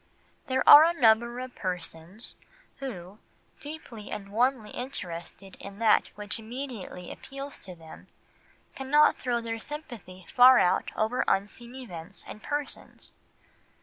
There are a number of persons who, deeply and warmly interested in that which immediately appeals to them, cannot throw their sympathy far out over unseen events and persons.